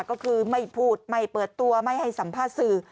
ก็คือไม่พูดไม่เปิดตัวไม่ให้สัมภาษณ์สื่อ